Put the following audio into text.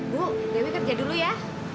bu dewi kerja dulu ya